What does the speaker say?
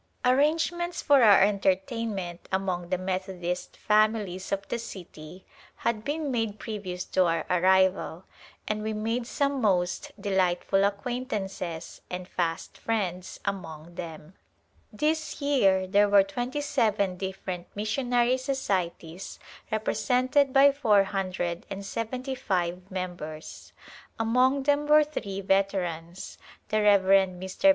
Arrangements for our entertainment among the Methodist families of the city had been made pre vious to our arrival and we made some most delightful acquaintances and fast friends among them. This year there were twenty seven different mission ary societies represented by four hundred andseventy [ 144] Decennial Conference at Calcutta five members. Among them were three veterans, the Rev. Mr.